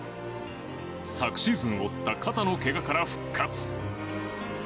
昨シーズン負った肩のけがから復活。